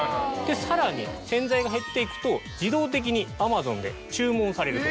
さらに洗剤が減っていくと自動的にＡｍａｚｏｎで注文されると。